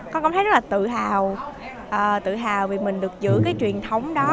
con con thấy rất là tự hào tự hào vì mình được giữ cái truyền thống đó